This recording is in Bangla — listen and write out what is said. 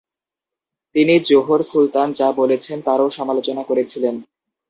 তিনি জোহর সুলতান যা বলেছেন তারও সমালোচনা করেছিলেন।